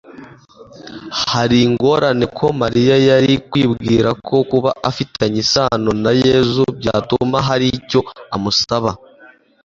Hari ingorane ko Mariya yari kwibwira ko kuba afitanye isano na Yesu byatuma hari icyo amusaba